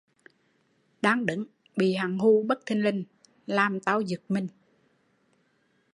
Đang đứng, bị hắn hù bất thình lình làm tau giựt mình